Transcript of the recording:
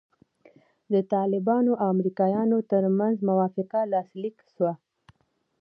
د طالبانو او امریکایانو ترمنځ موافقه لاسلیک سوه.